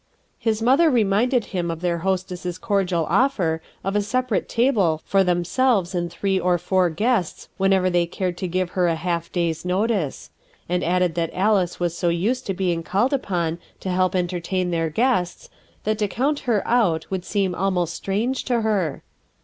His mother reminded him of their hostess's cordial offer of a separate table for themselves and three or four guests whenever they cared to give her a half day's notice; and added that Alice was so used to being called upon to help entertain their guests, that to count her out would seem almost strange to her.